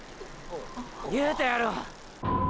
言うたやろ。